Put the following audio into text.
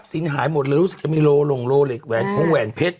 สินหายหมดเลยรู้สึกจะมีโลหลงโลเหล็กแหวนของแหวนเพชร